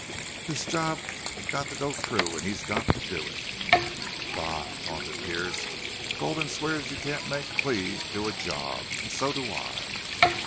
"This job's got to go through and he's got to do it." "Bah!" taunted Pearce. "Gulden swears you can't make Cleve do a job. And so do I!"